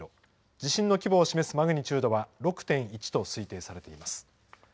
地震の規模を示すマグニチュードは、６．１と推定されています。